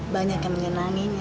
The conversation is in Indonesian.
banyak yang menyenanginya